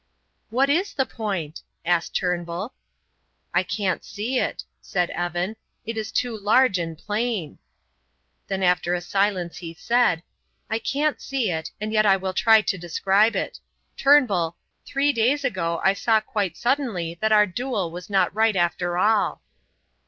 "What is the point?" asked Turnbull. "I can't see it," said Evan; "it is too large and plain." Then after a silence he said: "I can't see it and yet I will try to describe it. Turnbull, three days ago I saw quite suddenly that our duel was not right after all."